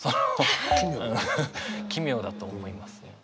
奇妙だと思います。